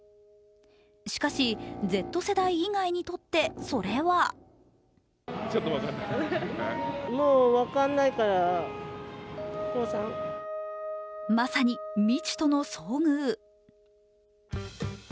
しかしＺ世代以外にとって、それはまさに、未知との遭遇。